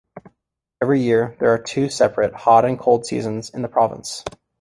Every year, there are two separate hot and cold seasons in the province.